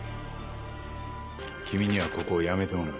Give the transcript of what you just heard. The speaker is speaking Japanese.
君には、ここを辞めてもらう。